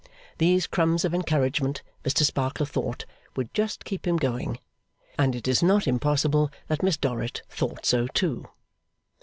These crumbs of encouragement, Mr Sparkler thought, would just keep him going; and it is not impossible that Miss Dorrit thought so too.